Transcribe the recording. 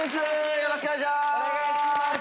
よろしくお願いします。